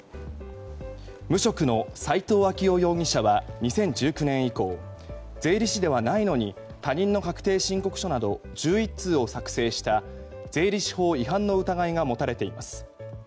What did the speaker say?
無職の斉藤明雄容疑者は２０１９年以降税理士ではないのに他人の確定申告書など１１通を作成した税理士法違反の疑いが持たれています。